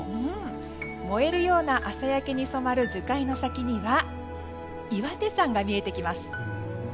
燃えるような朝焼けに染まる樹海の先には岩手山が見えてきます。